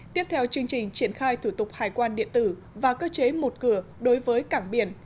tiếp theo chương trình triển khai thủ tục hải quan điện tử và cơ chế một cửa đối với cảng biển